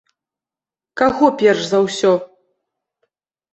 Каго перш за ўсё?